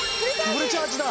フルチャージだ。